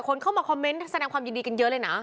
เข้ามาคอมเมนต์แสดงความยินดีกันเยอะเลยนะ